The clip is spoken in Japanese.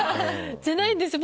じゃないんです！